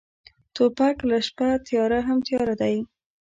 توپک له شپه تیاره هم تیاره دی.